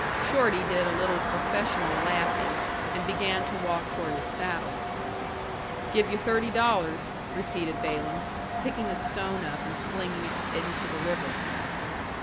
Shorty did a little professional laughing, and began to walk toward his saddle. "Give you thirty dollars," repeated Balaam, picking a stone up and slinging it into the river.